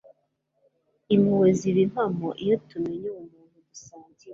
impuhwe ziba impamo iyo tumenye ubumuntu dusangiye